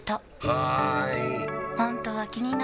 はーい！